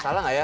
salah gak ya